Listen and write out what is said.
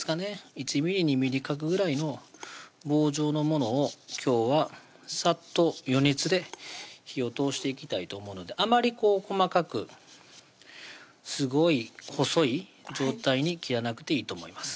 １ｍｍ２ｍｍ角ぐらいの棒状のものを今日はさっと余熱で火を通していきたいと思うのであまり細かくすごい細い状態に切らなくていいと思います